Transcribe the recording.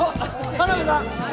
田辺さん！？